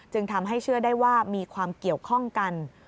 ทำให้เชื่อได้ว่ามีความเกี่ยวข้องกัน